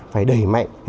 phải đẩy mạnh